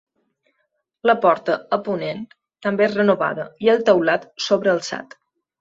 La porta, a ponent, també és renovada i el teulat sobrealçat.